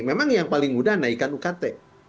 memang yang paling mudah naikkan ukt